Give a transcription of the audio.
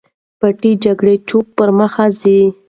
پټې جګړې چوپ پر مخ ځي.